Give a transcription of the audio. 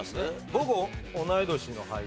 僕同い年の俳優。